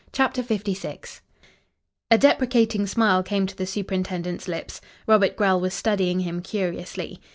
CHAPTER LVI A deprecating smile came to the superintendent's lips. Robert Grell was studying him curiously.